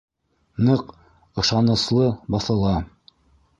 Ныҡ, ышаныслы баҫыла.